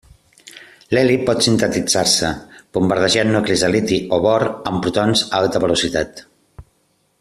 L'heli pot sintetitzar-se bombardejant nuclis de liti o bor amb protons a alta velocitat.